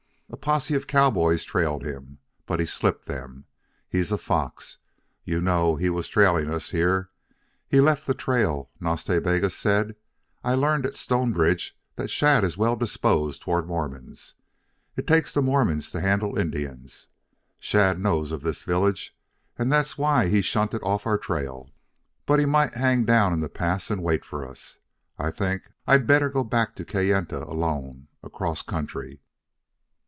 A posse of cowboys trailed him. But he slipped them. He's a fox. You know he was trailing us here. He left the trail, Nas Ta Bega said. I learned at Stonebridge that Shadd is well disposed toward Mormons. It takes the Mormons to handle Indians. Shadd knows of this village and that's why he shunted off our trail. But he might hang down in the pass and wait for us. I think I'd better go back to Kayenta alone, across country.